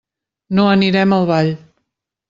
No anirem al ball.